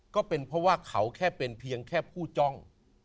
ก็เป็นเพราะว่าเขาแค่เป็นเพียงแค่ผู้จ้อง